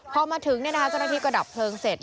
พอมาถึงเจ้าหน้าที่ก็ดับเพลิงเสร็จ